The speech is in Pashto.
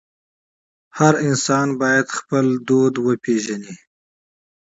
هر انسان باید خپل فرهنګ وپېژني.